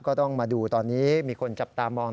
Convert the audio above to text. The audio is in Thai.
ก็ต้องมาดูตอนนี้มีคนจับตามอง